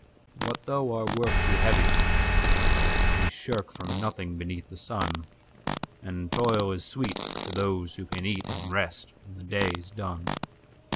What though our work he heavy, we shirkFrom nothing beneath the sun; And toil is sweet to those who can eatAnd rest when the day is done.